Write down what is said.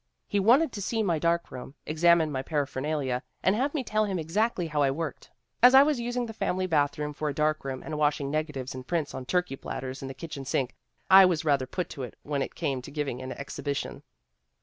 He wanted to see my darkroom, examine my parapher nalia, and have me tell him exactly how I worked. As I was using the family bathroom for a darkroom and washing negatives and prints on turkey platters in the kitchen sink, I was rather put to it when it Cme to giving an exhibition.